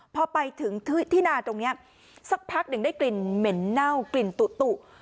พอไปถึงที่นาตรงนี้สักพักหนึ่งได้กลิ่นเหม็นเน่ากลิ่นตุ